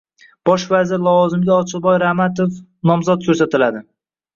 Bosh vazir lavozimiga Ochilboy Ramatov nomzod ko'rsatiladi